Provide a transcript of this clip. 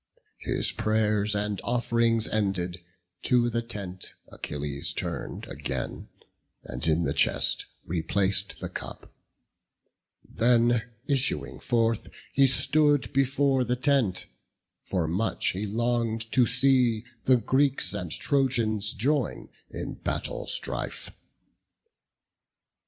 His pray'rs and off'rings ended, to the tent Achilles turn'd again, and in the chest Replac'd the cup; then issuing forth, he stood Before the tent; for much he long'd to see The Greeks and Trojans join in battle strife.